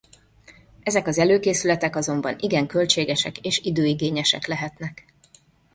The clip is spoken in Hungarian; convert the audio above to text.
Ezek az előkészülete azonban igen költségesek és időigényesek lehetnek.